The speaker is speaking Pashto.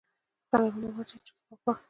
څلورمه وجه ئې چپس پاپړ